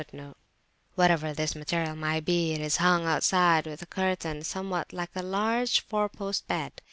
[FN#31] Whatever this material may be, it is hung outside with a curtain, somewhat like a large four post bed.